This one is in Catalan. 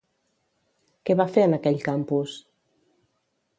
Què va fer en aquell campus?